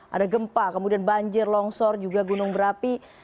ada gempa kemudian banjir longsor juga gunung berapi